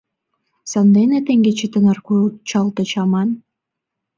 — Сандене теҥгече тынар кучалтыч аман?